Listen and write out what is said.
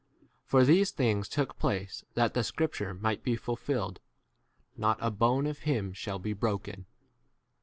For these things took place that the scrip ture might be fulfilled, Not a & bone of him shall be broken.